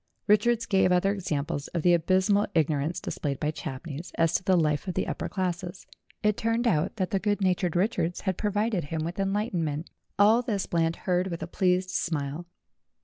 Richards gave other examples of the abysmal ignorance dis played by Champneys as to the life of the upper classes. It turned out that the good natured Richards had provided him with enlightenment. All this Bland heard with a pleased smile.